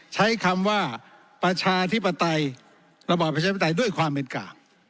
ใช้คำว่าประชาธิปไตยระบอบประชาธิปไตยด้วยความเป็นกลาง